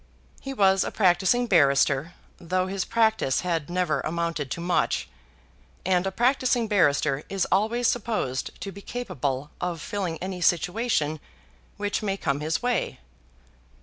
He was a practising barrister, though his practice had never amounted to much; and a practising barrister is always supposed to be capable of filling any situation which may come his way.